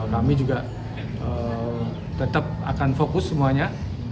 kami juga tetap akan fokus semuanya